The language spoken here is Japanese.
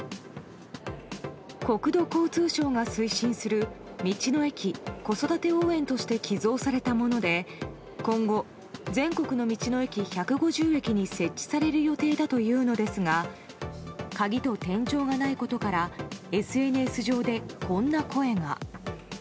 国土交通省が推進する、道の駅子育て応援として寄贈されたもので、今後、全国の道の駅１５０駅に設置される予定だというのですが、鍵と天井がないことから、ＳＮＳ上でこんな声が。